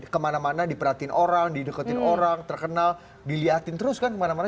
kemana mana diperhatiin orang didekutin orang terkenal dilihatin terus kan kemana mana